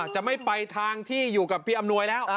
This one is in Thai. จะไม่ไปทางที่อยู่กับพี่อำนวยแล้ว